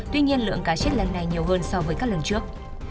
tuy nhiên lượng cá chết lần này nhiều hơn so với các lần trước